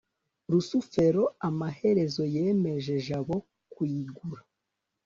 rusufero amaherezo yemeje jabo kuyigura